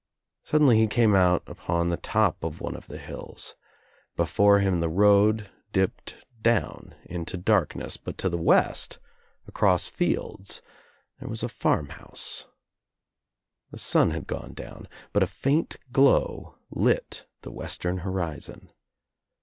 Suddenly he came out upon the top of one of the hills. Before him the road dipped down into darkness but to the west, across fields, there was a I THE DOOR OF THE TRAP farm house. The sun had gone down, but a faint glow lit the western horizon.